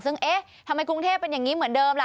ซึ่งเอ๊ะทำไมกรุงเทพเป็นอย่างนี้เหมือนเดิมล่ะ